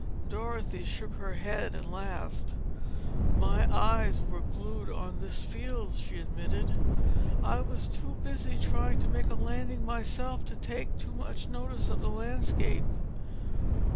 Dorothy shook her head and laughed. "My eyes were glued on this field," she admitted. "I was too busy trying to make a landing myself to take in much of the landscape.